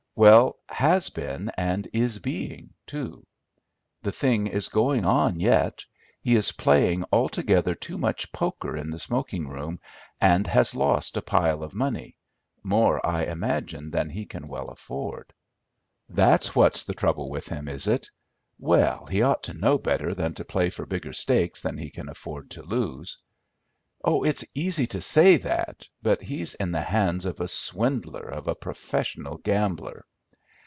"Well, has been, and is being, too. The thing is going on yet. He is playing altogether too much poker in the smoking room, and has lost a pile of money—more, I imagine, than he can well afford." "That's what's the trouble with him, is it? Well, he ought to know better than to play for bigger stakes than he can afford to lose." "Oh, it's easy to say that; but he's in the hands of a swindler, of a professional gambler.